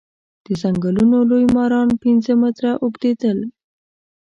د ځنګلونو لوی ماران پنځه متره اوږديدل.